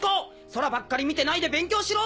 空ばっかり見てないで勉強しろ！」